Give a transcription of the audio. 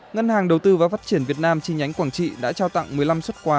ngân hàng đầu tư và phát triển việt nam chi nhánh quảng trị đã trao tặng một mươi năm xuất quà